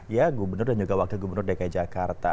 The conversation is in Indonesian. ya gubernur dan juga wakil gubernur dki jakarta